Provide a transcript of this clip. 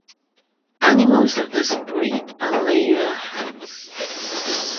Animals of this breed are layer hens.